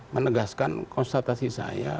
menegaskan konstatasi saya